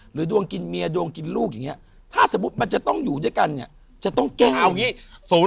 ดวงกินเมียดวงกินลูกอย่างนี้ถ้าสมมุติมันจะต้องอยู่ด้วยกันเนี่ยจะต้องแก้เอาอย่างนี้